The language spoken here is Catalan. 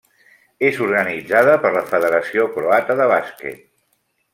És organitzada per la Federació croata de bàsquet.